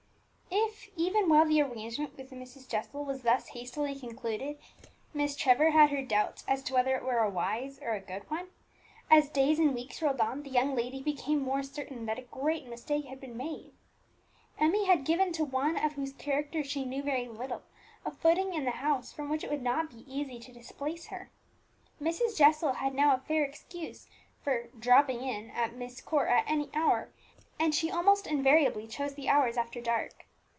If, even while the arrangement with Mrs. Jessel was thus hastily concluded, Miss Trevor had her doubts as to whether it were a wise or a good one, as days and weeks rolled on the young lady became more certain that a great mistake had been made. Emmie had given to one of whose character she knew very little a footing in the house from which it would not be easy to displace her. Mrs. Jessel had now a fair excuse for "dropping in" at Myst Court at any hour, and she almost invariably chose the hours after dark.